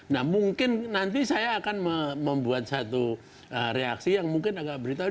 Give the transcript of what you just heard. nah mungkin nanti saya akan membuat satu reaksi yang mungkin agak beritahu